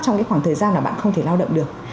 trong khoảng thời gian mà bạn không thể lao động được